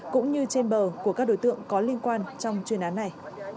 cũng như trên bờ của các đối tượng có liên quan trong chuyên án này